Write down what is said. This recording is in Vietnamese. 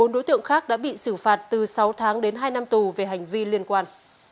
một mươi đối tượng khác đã bị xử phạt từ sáu tháng đến hai năm tù về hành vi liên quan